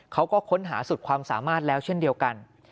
เขาก็ค้นหาสุดความสามารถแล้วเช่นเดียวกัน